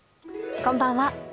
こんばんは。